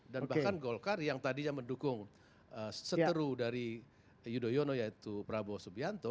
dan bahkan golkar yang tadinya mendukung seteru dari yudhoyono yaitu prabowo subianto